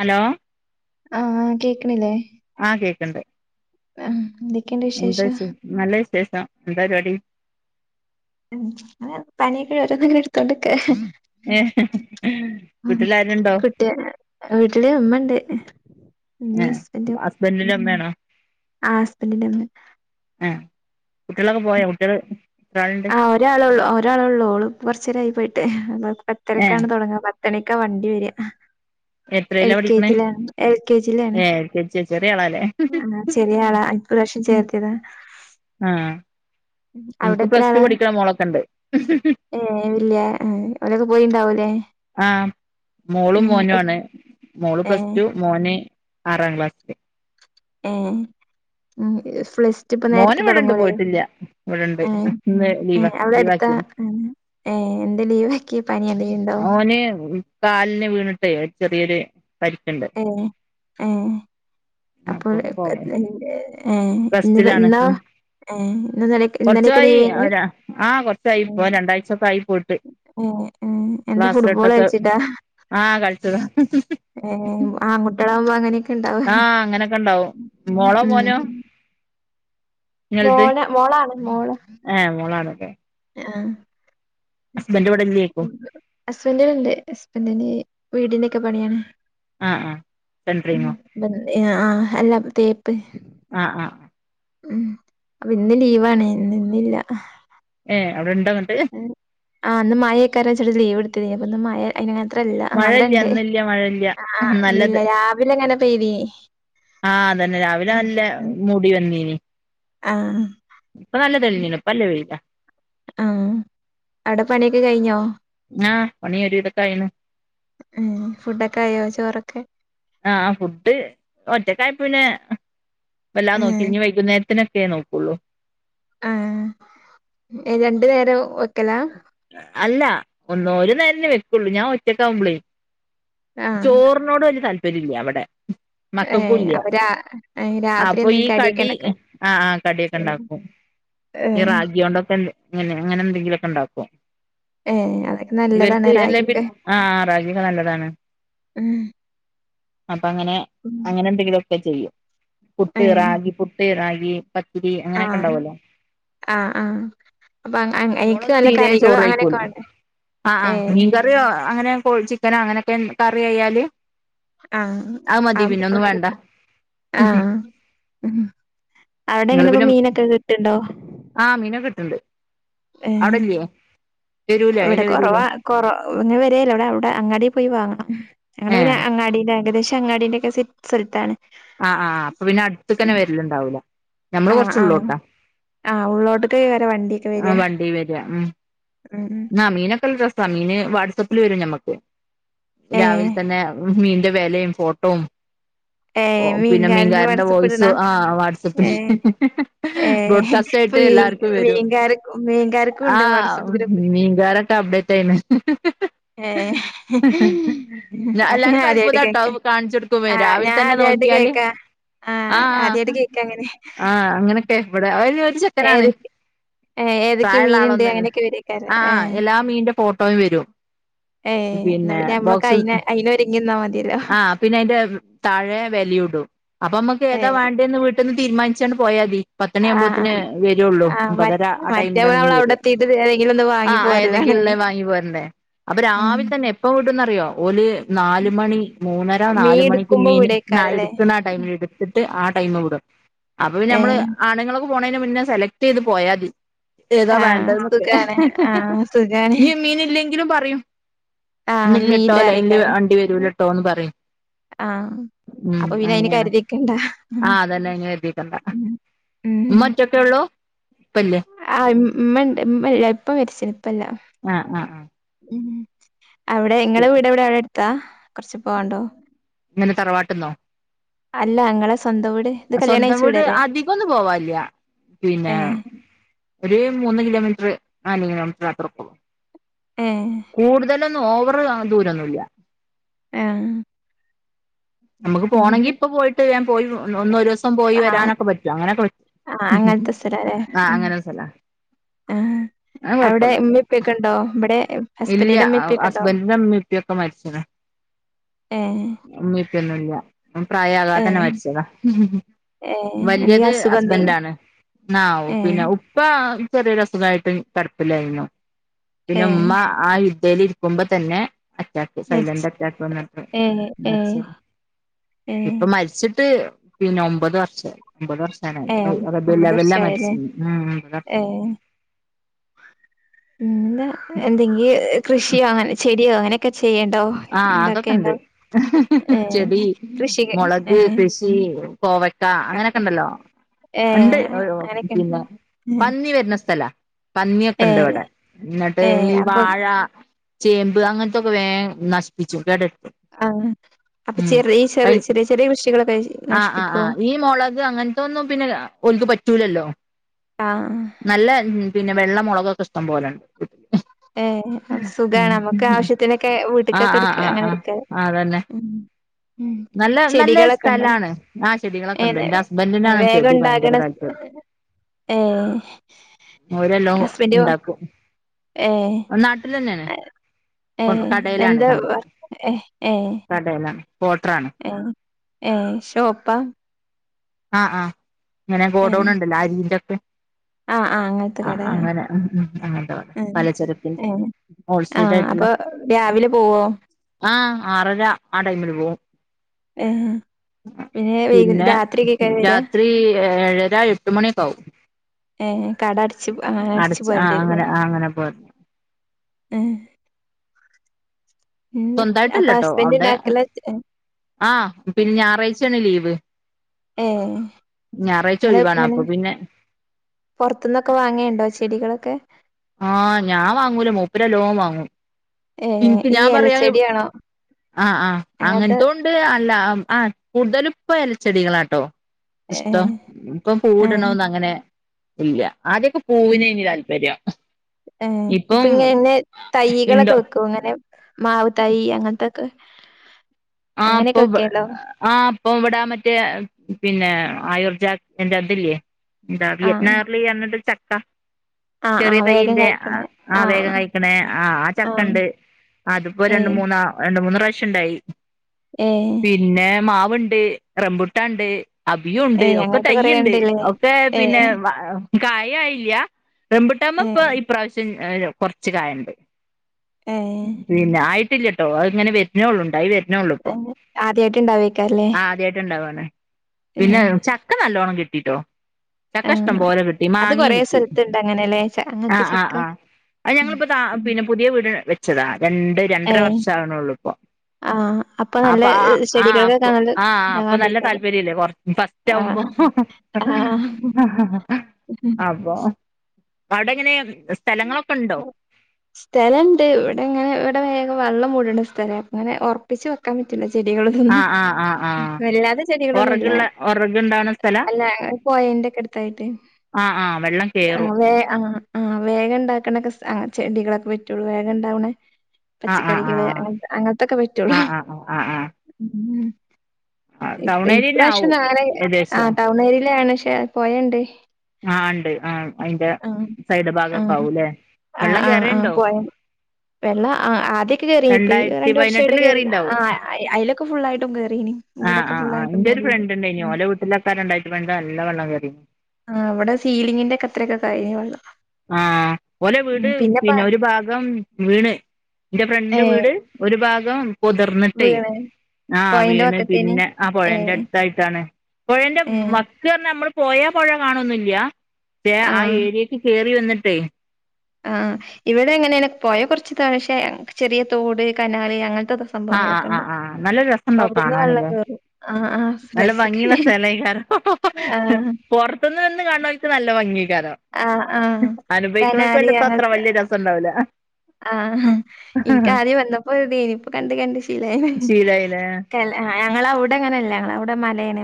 Hello ആഹ കേക്കണില്ലേ കേക്ക എന്താ ആഹ് എന്തൊക്കെയുണ്ട് വിശേഷം നല്ല എന്ത പരിപാടി ഉ അ പനിയൊക്ക ഓരോന്നല്ലും എടുത്ത കൊണ്ട്ക്ക് വീട്ടിലാരുണ്ടോ കുട്ടിയ വീട്ടില ഉമ്മണ്ട് ഏ ഉമ്മ ഹസ്ബൻഡ് ഹസ്ബൻഡിന്റെ ഉമ്മയാണോ ആ ഹസ്ബൻഡ് ന്റെ ഉമ്മ ഏ കുട്ടികളൊക്കെ പോയോ കുട്ടികള് എത്ര ആളുണ്ട് ആ ഒരാള ഒരാളള്ള ഓൾ കുറച്ചരായി പോയിട്ട് അ ഏ പത്തരക്കാണ് തുടങ്ങ പത്തണക്കാ വണ്ടി വരിക എൽ എത്രയിലാ പഠിക്കണേ കെജി ല എൽ കെ ജി ലേണ ഏ എൽ കെ ജി ചെറിയ ആളാല്ലേ ആ ശെരിയാള അപ്പ രാശം ചേർത്തിതാ ആ അവിടെ എനിക്ക് എത്ര പ്ലസ് ആാണ് ടു പഠിക്കണ മോളൊക്കെ ഉണ്ട് ഏ വല്ല അവഓരൊക്കെ പോയിണ്ടാവല ആഹ് മോളും മോനും ആണ് മോള് പ്ലസ് ഏഹ് ടു മോന് ആറാം ക്ലാസ്സില് ഏ ഉ പ്ലസ് റ്റു ഇപ്പ മോന് നേരത്തെ ഇവിടെണ്ട് തുടങ്ങൂലേ.. പോയിട്ടില്ല ഇവിടെണ്ട് ഇന്ന് എങ്ങനെ, ലീവാ അവിടെ അടുത്താ, ലീവാക്കിന് എങ്ങനെ ഏ എന്തെ ലീവ് ഓന് കാലിന് വീണിട്ടേ, ഒര്ചെറിയൊരു ഏഹ്.. ഏഹ് അപ്പോൾ അപ്പൊ പോവാ ഏ ഇന്നത റെസ്റ്റിലാണ് ഇന്നാ ഉം ഏ ഇന്നും ഇന്നലെക്കെ കൊറച്ചായി ഇന്നലക്കെലീവേനീ ഒരാ ആഹ് കൊറച്ചായി ഇപ്പൊ രണ്ടാഴ്ചൊക്കെ ആയി പോയിട്ട് ഏ ഏ എന്ത ഫുട്ബോൾ ലാസ്റ്റ്ട്ടൊക്കെ കൾച്ചിട്ടാ ആഹ് കളിച്ചതാ ഏ ആൺകുട്ട്യളാകുമ്പോ അങ്ങനെയൊക്കെ ഇണ്ടാവല്ലോ ക്കെണ്ടാവും മോളോ മോനോ? ഇങ്ങൾത് മോന മോളാണ് മോള ഏഹ് മോളാണല്ലേ ആ ഹസ്ബൻഡ് ഇവിടെ ഇല്ലേക്കും ഹസ്ബൻ്റവടെണ്ട് ഹസ്ബൻറിന് വീടിന്റെക്കെ പണിയാണ് ആഹ് ആഹ് സെൻട്രിങ്ങോ ആ അല്ല തേപ്പ് ആഹ ആഹ് ആ ഉം അപ്പൊ ഇന്ന് ലീവാണ് ഇന്നില്ല ഏഹ് അവിടെ ഇണ്ടന്നിട്ട് ആന്ന് മായയക്കാരാ ചട്ട ലീവ്ടുത് അ മയ അ [unintelligible] അത്രല്ല ആ മഴയില്ല അവിടെണ്ട് ഇന്നില്ല മഴയില്ല ആല്ല രാവിലെ എങ്ങനെ പെയതി ആഹ അതന്നെ രാവിലെ നല്ല മൂടി വന്നീനി ആഹ ഇപ്പൊ നല്ല തെളിഞ്ഞ നല്ല വെയിലാ ആ അവിടെ പണിയൊക്കെ കഴിഞ്ഞോ? ആഹ് പണി ഒരു വിധം ആയി ക്ണ് ഏഹ് ഫുഡൊക്കെ ആയോ ചോറൊക്കെ ആഹ് ഫുഡ് ഒറ്റക്കായപ്പിന്നെ എല്ലാം നോക്കി ഏഹ് ഇനി വൈകുന്നേരത്തിനൊക്കെ നോക്കുള്ളൂ ആഹ രണ്ടു നേരം വെക്കലാ അല്ല ഒന്ന ഒരു നേരല്ലേ വെക്കുള്ളൂ, ഞാൻ ഒറ്റക്കാവുമ്പളേ. ആഹ് ചോറിനോട് വലിയ താല്പര്യം ഇല്ല അവിടെ ഏഹ് അപ്പൊ രാ ഏഹ് രാത്രി മക്കൾക്കുല്ലിയഅപ്പൊ ഈ എന്തെങ്കിലും കടിയൊക്കെ കടി ഇണ്ടാക്കാ ആഹ ആ കടിയൊക്കെ ഇണ്ടാക്കും ഈ ഏഹ് റാഗി കൊണ്ടൊക്കെ അങ്ങനെ എന്തെങ്കിലുമോക്കെ ഉണ്ടാക്കും ഏഹ് അതൊക്കെ നല്ലതാണ് ഇവർക്ക് എല്ല റാഗിയൊക്കെ പിന്നേ ആഹ റാഗിയൊക്കെ നല്ലതാണ് ഉം.. ! അപ്പ അങ്ങനെ.. അങ്ങനെ എന്തെങ്കിലുംമൊക്കെ ചെയ്യും. പുട്ട്, റാഗി, പുട്ട് റാഗി. പത്തിരി അങ്ങനെയൊക്കെ ആഹ ഉണ്ടാവല്ലോ ആഹ ആഹ അപ്പൊ നല്ല തീരെ കറികള് ചോറ് അങ്ങനെയൊക്കെ കഴിക്കുല്ലാ വേണ്ടേ ആഹാ ആഹാ ഏ മീൻകറിയോ അങ്ങനെ ചിക്കനോ അങ്ങനെയൊക്കെ കറി ആയാല് ആഹ് ആ മതി പിന്ന ഒന്നും ആഹ് വേണ്ട ആഹ് ഉം അവിടെ നിങ്ങള് എങ്ങനെ ഇപ്പോ പിന്നെ, മീനൊക്കെ കിട്ടുണ്ടോ ആ മീനൊക്കെ കിട്ടണൊണ്ട് ഏ അവിടില്ലേ ഇവിടെ കൊറവാ കൊറ ഇങ് വരല്ലോ ഇവിടെ അവിടെ അങ്ങാടി പോയി വാങ്ങണം ഞങ്ങള് പിന്നെ ഏഹ് അങ്ങാടി ഏകദേശം അങ്ങാടിന്റെ ഒക്കെ സ്ഥലത്താണ് ആഹ് ആ് അപ്പൊ പിന്നെ അടുത്ത തന്നെ വരലുണ്ടാവൂല്ലേ നമ്മള് ആഹ് ആഹ് കൊറച്ചള്ളോട്ടാ, ആഹ് ഉള്ളോട്ടക്ക് വരെ വണ്ടിയൊക്കെ ആ വരിക വണ്ടി വരിക ഉം ഉം ആ മീനൊക്കെ ഉള്ള രസാ മീന് വാട്സആപ്പില് വരും ഞമ്മക്ക് ഏ രാവിലെ തന്നെ മീന്റെ വെലയും ഫോട്ടവും ഏ ഓ പിന്നെ മീൻകാരന് മീൻകാരന്റെ വാട്സപ്പ് ഇടണ വോയ്സ് ആഹ ഏ വാട്സ്ആപ്പില് ഏ ബ്രോഡ്കാസ്റ്റ് ആയിട്ട് മീൻ എല്ലാർക്കും വരും. മീൻകാർ മീൻകാർക്കും ഉണ്ട് ആഹ്.. വാട്സപ്പ് ! ഗ്രൂപ്പ് മീൻകാരൻ [unintelligible] ഏ.. ഞാൻ എല്ലാർക്കും അദ്യായിട്ട് അത്ഭുതാട്ടോ കേക്ക അത് കാണിച്ചു ആഹ.. ഞാൻ അദ്യായിട്ട് കേക്ക. കേക്ക ആഹ.. ആഹ.. അങ്ങനെയൊക്കെ ഇവിടെ. ചെക്കനാണ് ഏതൊക്കെ ഏഹ് ഏതൊക്കെ പ്രായൊള്ള മീന്ണ്ട് ആളൊന്നല്ല അങ്ങനെയൊക്കെ വരേക്കാരം. ആ ഏഹ് എല്ലാ മീന്റെ ഫോട്ടോയും വരും ഏഹ് എന്നാ പിന്നെ നമ്മളൊക്കെ ബോക്സ് അയിന് അയിനൊരുങ്ങി നിന്നാ മതിയല്ലോ. ആ് പിന്നെ അതിറെ താഴെ വിലയും ഇടും അപ്പൊ നമ്മുക്ക് താ ഏഹ് വേണ്ടേന്ന് വീട്ടന്ന് തീരുമാനിച്ചാണ് പോയാൽ മതി പത്തുമണി ആഹ് ആവുമ്പോത്തിന് ആഹ് വരുള്ളൂ ആഹ് മ ഒമ്പതര ആ മറ്റേ ടൈമില മീൻ നമ്മളവിടെ വര എത്തീട്ട് ഏതെങ്കിലും ഒന്ന് വാങ്ങി ആഹ പോരലാണ്. ഏതെങ്കിലും ഉള്ള വാങ്ങി പോരണ്ടേ അപ്പൊ ഉം രാവിൽ തന്നെ എപ്പ വിടുംന്നറിയോ ഓല് നാല്മണി മൂന്നര മീൻ നാല്മണിക്ക് ഇട്ക്കുമ്പോ മീൻ ആ വിടേക്കാരല്ലേ. എടുക്കണ ആ ടൈമിൽ എടുത്തി ട്ട് ആ ടൈമ് വിടും. അപ്പൊ പിന്നമ്മള് ഏഹ് ആണുങ്ങളൊക്കെ പോണന് മുന്നെ സെലക്ട് ചെയ്ത് പോയാതി ഏതാ ആഹ് വേണ്ടെന്നൊക്കെ, സുഖാണ്. ആഹ് സുഖാണ്. ഞ്ഞിമീൻ ഇല്ലെങ്കിലും പറയും ആഹ് ഇന്ന് ഇല്യട്ടോ ലൈനില് മീനില്ലാറേക്കാരം. വണ്ടി വരൂലട്ടോന്ന് പറയും ആഹ് ഉം അപ്പൊ പിന്നെ അയിന് അങ്ങനേണ്, കരുതിക്കണ്ട. ഉം ആ അതന്നെ അയ്ന് കര്തിക്കണ്ട ഉം ഉമ്മ ഒറ്റക്കെ ഉള്ളൂ, ഉപ്പ ഇല്ലേ ആഇമ്മണ്ട് ഇമ്മല്ല, ഇപ്പ മരിച്ച്ണ് ഇപ്പല്ല ആ ആ ആ അവിടെ ഇങ്ങളവീടെവിടെ അവിടെ എടുത്താ? കൊർച്ച് പോവാണ്ടോ? ഇങ്ങനെ തറവാട്ട്ന്നോ? അല്ല ഇങ്ങളെ സ് സ്വന്തം വീട് അധികൊന്നും പോവാല്യ, ഏ പിന്നെ ഒരു മൂന്ന് കിലോമീറ്റർ, നാല് കിലോമീറ്റർ അത്രകൊള്ളൂ ഏ കൂടുതലൊന്നും ഓവർ ദൂരൊന്നുല്യ ആ നമ്മക്ക് പോണങ്കി ഇപ്പൊ പോയിട്ട് ഞാൻ പോയി ഒന്ന് ഒരൂസ് പോയി ആഹ് വരാനൊക്കെ പറ്റും. അങ്ങനൊക്കെ പറ്റും. ആഹ് ഹും ഹും അങ്ങനത്തെ ആ അങ്ങനൊരു സലാ ആ അവിടെ ഇമ്മ്യും ഇപ്പ്യുക്കെണ്ടോ ബടെ ഇല്ല ഹസ്ബന്റിഇമ്മീം ഇപ്പീം ഒക്കെ മരിച്ചത ഏ ഇമ്മ ഇപ്പ ഒന്നും ഇല്ല. ഏ പ്രായാകാതെ തന്നെ മരിച്ചതാ ഏ എന്തേലും വല്യത് അസുഖം എന്തേലും ഹസ്ബൻ്റാണ്. ആ പിന്നെ ഏ ഉപ്പാ ചെറിയഒരു അസുഖായിട്ട് കി ടപ്പില്ലായിരുന്നു. പിന്നെ ഏ ഉമ്മ ആ ഇദ്ധയിൽ ഇരിക്കുമ്പോ തന്നെ അറ്റാക്ക്, മരിച്ച് സൈലന്റ് അറ്റാക്ക് വന്നിട്ട് ഏ ഏ മരിച്ചത് ഏ ഇപ്പൊ മരിച്ചിട്ട്, പിന്നെ ഒമ്പത് വർഷായി ഒമ്പത് ഏ വർഷായി റബിഉൽ ഒമ്പത് അവ്വലിലാ വർഷായല്ലേ മരിച്ചത് ഉം ഒമ്പത് വർഷായി പിന്നെന്താ, എന്തെങ്കി കൃഷിയോ അങ്ങനെ ചെടിയോ അങ്ങനെയൊക്കെ ചെയ്യണ്ടോ ഉണ്ടാക്കേണ്ടോ ആഅതൊക്കെണ്ട് ഏ ചെടി, കൃഷി മുളക്, ഏ കൃഷി.. കോവക്ക, അപ്പൊ അങ്ങനൊക്കെണ്ടല്ലോ ഏ ഇണ്ട്.. അങ്ങനെയൊക്കെ ഉണ്ട്. പിന്നെ പന്നി വരുന്ന സ്ഥലാ പന്നിയൊക്കെ ഏ ഇണ്ട് വടെ. ന്നട്ട് ഏ ഈ അപ്പൊ വാഴ, ചേമ്പ്, അങ്ങൻത്തൊക്കെ വേം നശിപ്പിച്ചും കേടര്ത്തും ആഅപ്പൊ ചെറീ ചെറി ചെറിയ കൃഷികളൊക്കെ നശിപ്പിക്കോ? അങ്ങൻത്തൊന്നും പിന്നെ ഓൽക്ക് പറ്റൂലല്ലോ.. ആ നല്ല പിന്നെ, വെള്ളമുളകൊക്കെ ഇഷ്ടം പോലെണ്ട്, വീട്ടില് ഏ സുഖാണ് നമ്മക്ക് ആവശ്യത്തിനൊക്കെ വീട്ടി ആ ആ ആ ആ ആ അതന്നെ ഉം നല്ല നല്ല ചെടികളൊക്കെ ഉണ്ടോ സ്ഥലാണ്, ആ ചെടികളൊക്കെ ഏ ഇണ്ട്. ന്റെ ഹസ്ബന്റിനാണ് വേഗം ചെടി ഭയങ്കര ഉണ്ടാകണ താല്പര്യം ഏ ഓരെല്ലോം ഹസ്ബൻഡ് ഉണ്ടാക്കും. ഏ. നാട്ടിൽ തന്നെയാണ് ഏഹ് കടയിലാണ് എന്താ കണ്ടത് ഏഹ ഏ കടയിലാണ് കോട്ടറാണ് ഏഹ് ഏ ഷോപ്പാ ആ ആ ഇങ്ങനെ ഗോഡൗൺ ഉണ്ടല്ലോ അരീന്റൊക്കെ ആഹ് ആഹ് അങ്ങനത്തെ കടയാ ഉം ഉം അങ്ങനത്തെ കട ഉം പലചരക്കിന്റെ ഹോൾസെയിൽ ആഹ് അപ്പൊ രാവിലെ പോവോ ആ ആറര ആ ടൈമിൽ പോകും ഏ പിന്നെ വൈ രാത്രിക്കെ രാത്രി ഏഴര എട്ട് മണിയക്കാവും ഏ കട അടച്ച് ആ അടച്ച് ആ പോരേണ്ടിരുല്ലേ അങ്ങനെ ആ അങ്ങനെ പോരുന്നെ ഏഹ് സ്വന്തായിട്ട് അപ്പൊ ഇല്ലട്ടോ ഹസ്ബൻഡ് അവിടെ ഇണ്ടാക്കല ആഹ് പിന്നെ ഞാറാഴ്ചേണ് ലീവ് ഏഹ് ഞായറാഴ്ച ഇങ്ങള് ഒഴിവാണ് ഇങ്ങനെ അപ്പൊ പിന്നെ പൊറത്തുന്നൊക്കെ വാങ്ങിയൊണ്ടോ ചെടികള് ആഹ് ഞാൻ വാങ്ങൂല മൂപ്പര് നല്ലോണം വാങ്ങും ഏ ഇന്ക്ക് ഈ ഞാൻ പറയാ എലച്ചെടിയാണോ ആഹ് ആഹ് അങ്ങനത്തെ അങ്ങനതോം ഉണ്ട് അല്ലാ ആഹ് കൂടുതലും ഇപ്പൊ എല ച്ചെടികളാട്ടോ ഏ ഇഷ്ടം ഇപ്പൊ ഏ പൂവിടണോന്ന് അങ്ങനെ ഇല്ല ആദ്യൊക്കെ ഉം പൂവിനേനീ താല്പര്യം ഏഹ് ഇപ്പൊ ഇപ്പം ഇങ്ങനന്നെ ഇണ്ടോ തൈകളൊക്കെ വെക്കോ ഇങ്ങനെ മാവ് തൈ അങ്ങനത്തക്കെ ആഹ് ഇപ്പൊ ഇവ് ആഹ് ഇപ്പൊ ഇവ്ടാ മറ്റേ പിന്നെ ആയൂർ ജാ [unintelligible] അതില്ലേ എന്താ ആഹ് വിയറ്റ്നാമിലെ അങ്ങനത്തൊരു ചക്ക ആഹ് ചെറിയ ആഹ് വേഗം തയ്യിന്റെ കായ്ക്കണേ ആഹ് വേഗം കയിക്കണ് ആഹ് ആ ചക്കണ്ട് അതിപ്പോ രണ്ട് ഏഹ് മൂന്നാ രണ്ട് മൂന്ന് ഇപ്രാവശ്യണ്ടായി ഏഹ് പിന്നെ മാവ്ണ്ട് റമ്പുട്ടാണ്ട് അബിയൂണ്ട് ഏഹ് ഒക്കെ അങ്ങനത്തെ കൊറേ തയ്യ്ണ്ട് ഇണ്ട്ല്ലേ ഒക്കെ പിന്നെ ഏഹ് കായും ആയില്ല്യ റംബൂട്ടാമ് ഇപ്പൊ ഏഹ് ഇപ്രാവശ്യം ഇ [unintelligible] കൊറച്ച് കായണ്ട് ഏഹ് പിന്നെ ആയിട്ടില്ല ട്ടോ അത്ങ്ങനെ വരുന്നേ ഉള്ളു ഉണ്ടായി വരുന്നേ ഉള്ളൂ ഇപ്പൊ ഏഹ് ആദ്യായിട്ട് ഇണ്ടാവേക്കാരല്ലേ ആദ്യായിട്ട്ണ്ടാവാണ് പിന്നെ ഏഹ് ചക്ക നല്ലോണം കിട്ടീട്ടോ ചക്ക ഇഷ്ടം ആഹ് പോലെ കിട്ടി അത് മങ്ങേം കൊറേ കിട്ടി സ്ഥലത്ത്ണ്ട് അങ്ങനെല്ലേ ച അങ്ങനത്തെ ആഹ് ചക്ക ആഹ് ആഹ് അത് ഉം ഞങ്ങളിപ്പോ താ ഉം പിന്നെ പുതിയ വീട് വെച്ചതാ രണ്ട് രണ്ടര ഏഹ് വർഷം ആവണേ ഉള്ളു ഇപ്പൊ ആഹ് ആഹ് നല്ല അപ്പൊ ആഹ് ആഹ് ചെടികൾക്കൊക്കെ അപ്പൊ നല്ല ആഹ് അപ്പൊ ഇതാവാൻ നല്ല ഇണ്ടേക്കാരം. താല്പര്യല്ലേ കൊറച്ചു ഫസ്റ്റാവുമ്പോ ആഹ് ആഹ് അപ്പൊ അവിടെങ്ങെനേ [unintelligible] സ്ഥലണ്ട് ഇവിടെ ഇങ്ങനെ ഇവിടെ വേഗം വെള്ളം മൂടണാ സ്ഥലാ അപ്പൊ അങ്ങനെ ഒറപ്പിച്ച് വെക്കാൻ പറ്റില്ലാ ചെടികളും ഉം ആഹ് ആഹ് ആഹ് ആഹ് വല്ലാതെ ചെടികളൊന്നുല്ല ഒറകുള്ള ഒറകുണ്ടാവണ സ്ഥലാ അല്ല [unintelligible] പൊയ ന്റെക്കട്ത്തായിട്ട് ആഹ് ആഹ് വെള്ളം ആഹ് കേറും വേ ആഹ് ആഹ് വേഗണ്ടാക്ക്‌ണ ആഹ് ചെടികളൊക്കെ വിറ്റൂ വേഗണ്ടാവണേ ആഹ് ആഹ് പച്ചക്കറികള് ആഹ് അങ്ങ അങ്ങൻത്തക്കെ വിറ്റൊ ആഹ് [unintelligible] ആഹ് ആഹ് ആഹ് ഉം ആഹ് ഇപ്പ ടൗൺ ഏരിയന്നെ ഇപ്രാശ്യം ആവും നാ [unintelligible] ആ ഏകദേശം ടൗണേര്യയിലാണ് ക്ഷെ പൊയണ്ട്. ആണ്ട് ആ അയ്ന്റെ സൈഡ് ആഹ് ഭാഗത്താവുല്ലെ ആഹ് വെള്ളം ആഹ് ആഹ് കേറേണ്ടോ? പൊഴ വെള്ളം ആഹ് ആദ്യൊക്കെ കേറി ഇപ്പൊ ഈ രണ്ടായിരത്തി രണ്ട് വർഷമായിട്ട് പതിനെട്ടില് കേറി കേറിണ്ടാവും ആഹ് അ അയ്ലൊക്കെ ഫുള്ളായിട്ടും കേ ആഹ് ആഹ് ആഹ് ഇന്റൊരു ഫ്രണ്ട്ണ്ടായിനി ഉം ഓലെ വീട്ടിലൊക്കെ രണ്ടായിയത്തി പതിനെട്ട് നല്ല വെള്ളം കേറീനി. ആഹ് വടെ സീലിങ്ങിന്റെക്കെ അത്രക്കെക്കായിനി വെള്ളം. ആഹ് ഓലെ വീട് ഉം പിന്നെപ്പ പിന്നെ ഒരു ഭാഗം വീണ്. ഇന്റെ ഏ ഫ്രണ്ടിന്റെ വീട് ഒരു ഭാഗം പൊതർന്ന്ട്ടേ വീണ് ആഹ് പൊഴന്റെ വീണ് വക്കത്തേന് പിന്നെ ആഹ് ഏ പൊഴന്റട്ത്തായിട്ടാണ് പൊഴന്റെ ഏ വക്കർഞ്ഞാ അമ്മള് പോയാ പൊഴ കാണൊന്നുല്യ ക്ഷെ ആ ഏരിയേക്ക് കേറി വന്ന്ട്ടേ ആഹ് ഇവടെ അങ്ങനെണ് പൊയ കൊർച്ച് താഴെ ക്ഷേ ചെറിയ തോട് കനാല് അങ്ങൻ ആ ആ ആ ആ നല്ല രസണ്ടാവും അവിടുന്ന് കാണാന് വെള്ളം ലെ കേറും ആ ആ നല്ല ഭംഗിയുള്ള രസൊക്കെന്നെ സ്ഥലേകാരം ആ പൊറത്തൂന് വന്ന് കാണ് നോൽക്ക് നല്ല ഭംഗിയി ക്കാരം ആ ആ അനുഭവിക്ക്‌ണോൽക്ക് വല്ല്യെപ്പൊ അത്ര വലിയ രസണ്ടാവൂല ആ അ എനിക്ക് ആദ്യം വന്നപ്പോ ണ്ടായിന് ഇപ്പോ കണ്ട് കണ്ട് ശീലായി ശീലായിലേ ആ ഞങ്ങളെ അവിടെ ഇങ്ങനെല്ല ഞങ്ങളെ അവിടെ മലേന്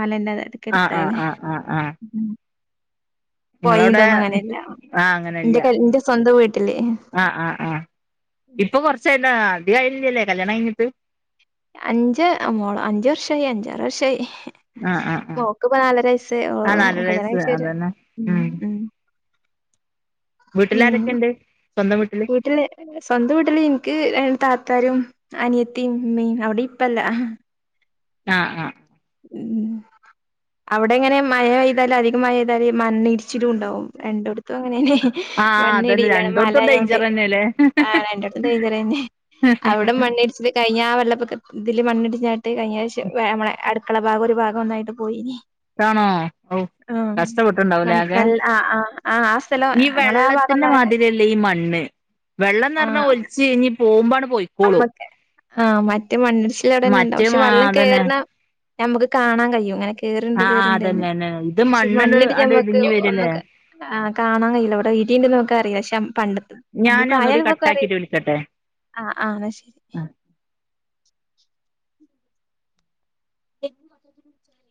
മലന്റെ ആഹ് ആഹ് ക്കെടുത്തായിന് ആഹ് ആഹ് ആഹ് നിങ്ങളവിടെ പൊയീതൊന്നും അങ്ങനെല്ല ആഹ് ഇന്റെ കൽ ഇന്റെ സ്വന്തം വീട്ടില് ആ ആ ഇപ്പൊ കൊറച്ചായിനാ അധികായില്ലല്ലേ കല്യാണം കഴിഞ്ഞിട്ട് അഞ്ച് മോള് അഞ്ച് വർഷായി അഞ്ചാറ് വർഷായി ആഹ് ആഹ് ആഹ് നോക്ക്പ്പ നാല്ലരസ്സയി ആഹ് നാലര വയസ്സ് കല്യാണകഴിച്ചരെ അതന്നെ ഉം ഉം പിൻ വീട്ടിലാരൊക്കെണ്ട് സ്വന്തം വീട്ടില് സ്വന്തം വീട്ടില് ഇന്ക്ക് അ താ ത്താരും അനിയത്തിം മ്മീം അവിടിം ഇപ്പല്ല ആന് ആഹ് ഉം അവിടെ എങ്ങനെ മഴ പെയ്താലും അധികം മഴെയ്താല് മണ്ണിടിച്ചിലുണ്ടാവും രണ്ടിടത്തും അങ്ങനെന്നെ ആഹ് അതന്നെ മണ്ണിടിലാണ് രണ്ടോടത്തും മലായതോണ്ട് ഡേഞ്ചറെന്നെല്ലേ ആ രണ്ടോടത്തും ഡെയ്ജറന്നെ അവിടെ മണ്ണിടിച്ചില് കഴിഞ്ഞ ആ വെള്ളപ്പൊക്ക ഇതില് മണ്ണിടിഞ്ഞിട്ട് കഴിഞ്ഞ പ്രാവശ്യം അടുക്കള ഭാഗം ഒരു ഭാഗം ഒന്നായിട്ട് പോയിനി ആണോ ഔ ആഹ് കഷ്ടപ്പെട്ടുണ്ടാവലേ മൺ ആകെ നല്ല ആ ആ ആ ആ സ്ഥലം ഈ ഞങ്ങളെ ആ ഭാഗം വെള്ളത്തിന്റെ ഒന്നായിട്ട് മാതിരിയല്ലേ ഈ മണ്ണ് വെള്ളംന്ന് ആ പറഞ്ഞാ ഒലിച്ച് കഴിഞ്ഞ് പോകുമ്പണ് അമ്മക്ക് ആഹ് മറ്റേ മണ്ണിടിച്ചില് അവിടെന്നെ ഉണ്ടാവും മറ്റേ പക്ഷെ മാ വെള്ളം അതന്നെ കേയറുന്ന ഞമുക്ക് കാണാ കഴിയും അങ്ങനെ കേറണ്ട് ആ ആ കേറണ്ട്ന്ന് അതന്നെന്നെ ഇത് പക്ഷെ മണ്ണ് മണ്ണിടിച്ചാൽ അണ്ട് നമ്മക്ക് ഇടിഞ്ഞ് വരല്ലേ ഒന്നും കാണാൻ കഴയില്ല അവിടെ നമകറിയ പക്ഷെ പണ്ട് നമ്മള് ഞാന് ഒന്നുകൂടി പ്രായായോൽക്കൊക്കെ അറിയിം കട്ടാക്കിട്ട് വിളിക്കട്ടെ ആ ആ ന്നാ ശരി [inaudible]